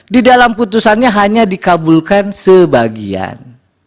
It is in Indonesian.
di dalam putusannya hanya dikabulkan sebagian